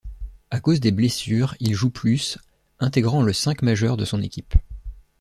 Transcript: À cause des blessures, il joue plus, intégrant le cinq majeur de son équipe.